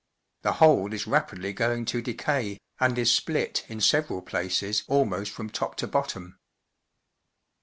The whole is rapidly going to decay, and is split in several places almost from top to bottom.